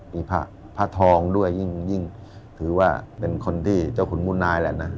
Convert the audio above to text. มีพระทองด้วยยิ่งถือว่าเป็นคนที่เจ้าขุนมุนนายแหละนะ